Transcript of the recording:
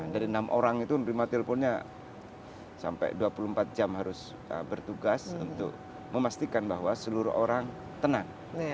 dari enam orang itu menerima teleponnya sampai dua puluh empat jam harus bertugas untuk memastikan bahwa seluruh orang tenang